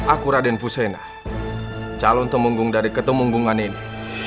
aku raden fusena calon temunggung dari ketemunggungan ini